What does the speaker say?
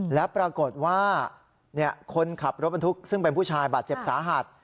แล้วปรากฏว่าคนขับรถบรรทุกซึ่งเป็นผู้ชายบาดเจ็บสาหัส